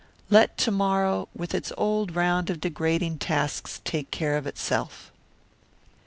Let to morrow, with its old round of degrading tasks, take care of itself.